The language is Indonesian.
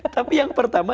tapi yang pertama